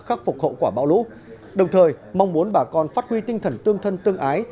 khắc phục hậu quả bão lũ đồng thời mong muốn bà con phát huy tinh thần tương thân tương ái